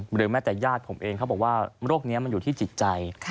หรือแม้แต่ญาติผมเองเขาบอกว่าโรคนี้มันอยู่ที่จิตใจ